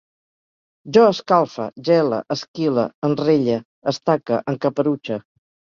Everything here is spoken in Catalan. Jo escalfe, gele, esquile, enrelle, estaque, encaperutxe